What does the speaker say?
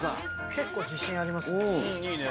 結構自信ありますね。